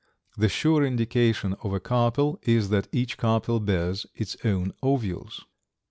The sure indication of a carpel is that each carpel bears its own ovules.